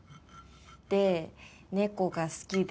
で猫が好きで。